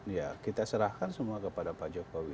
ya kita serahkan semua kepada pak jokowi